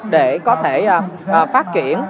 để có thể phát triển